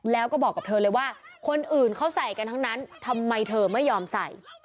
แล้วก็บอกกับเธอเลยว่าคนอื่นเขาใส่กันทั้งนั้นทำไมเธอไม่ยอมใส่